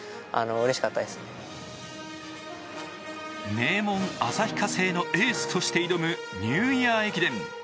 名門・旭化成のエースとして挑むニューイヤー駅伝。